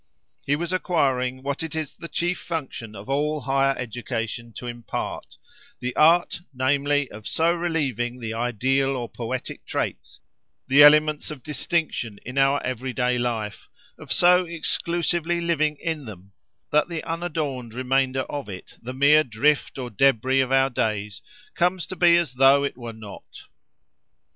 He was acquiring what it is the chief function of all higher education to impart, the art, namely, of so relieving the ideal or poetic traits, the elements of distinction, in our everyday life—of so exclusively living in them—that the unadorned remainder of it, the mere drift or débris of our days, comes to be as though it were not.